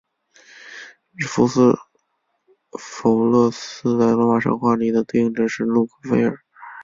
福斯否洛斯在罗马神话里的对应者是路喀斐耳。